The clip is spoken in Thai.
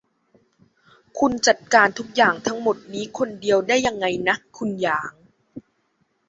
คุณจัดการทุกอย่างทั้งหมดนี้คนเดียวได้ยังไงนะ คุณหยาง